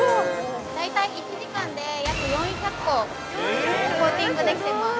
大体１時間で約４００個コーティングできてます。